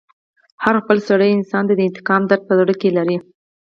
هر خپل سوی انسان د انتقام درد په زړه کښي لري.